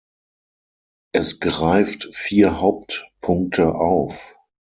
Es greift vier Hauptpunkte auf.